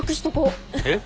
えっ？